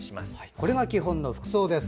これが基本の服装です。